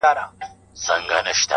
ها ښکلې که هر څومره ما وغواړي.